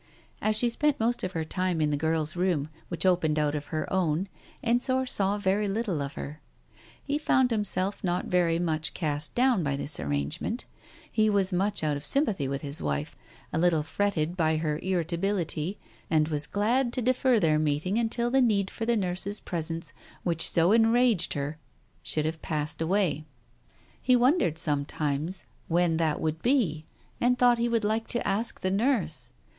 As she spent most of her time in the girl's room which opened out of her own, Ensor saw very little of her. He found himself not very much cast down by this arrangement; he was much out of sympathy with his wife, a little fretted by her irritability, and was glad to defer their meeting until the need for the nurse's presence which so enraged her should have passed away. Digitized by Google 294 TALES OF THE UNEASY He wondered, sometimes, when that would be, and thought he would like to ask the nurse.